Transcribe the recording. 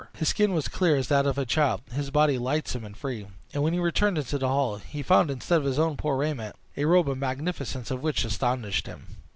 His skin was clear as that of a child, his body lightsome and free; and when he returned into the hall, he found, instead of his own poor raiment, a robe the magnificence of which astonished him.